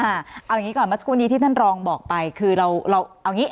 เอาอย่างงี้ก่อนที่ท่านรองบอกไปคือเราเราเอาอย่างงี้